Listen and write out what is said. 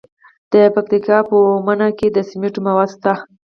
د پکتیکا په اومنه کې د سمنټو مواد شته.